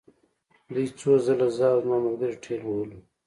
دوی څو ځله زه او زما ملګري ټېل وهلو